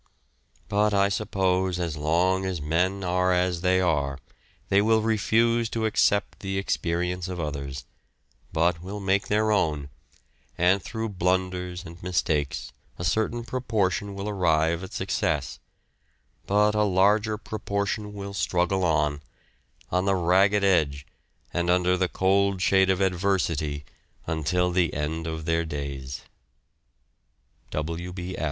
But I suppose as long as men are as they are they will refuse to accept the experience of others, but will make their own, and through blunders and mistakes a certain proportion will arrive at success, but a larger proportion will struggle on, on the ragged edge and under the cold shade of adversity until the end of their days.